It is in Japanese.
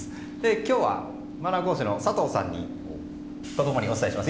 今日は、マナー講師の佐藤さんと共にお伝えします。